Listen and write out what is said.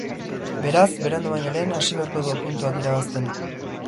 Beraz, berandu baino lehen hasi beharko da puntuak irabazten.